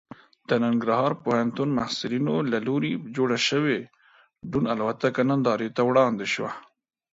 د ننګرهار پوهنتون محصلینو له لوري جوړه شوې ډرون الوتکه نندارې ته وړاندې شوه.